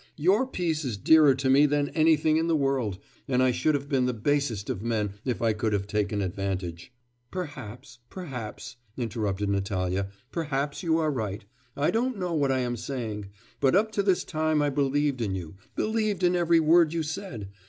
Your peace is dearer to me than anything in the world, and I should have been the basest of men, if I could have taken advantage ' 'Perhaps, perhaps,' interrupted Natalya, 'perhaps you are right; I don't know what I am saying. But up to this time I believed in you, believed in every word you said....